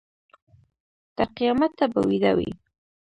تر قیامته به ویده وي.